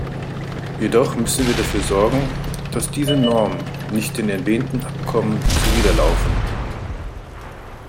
Jedoch müssen wir dafür sorgen, dass diese Normen nicht den erwähnten Abkommen zuwiderlaufen.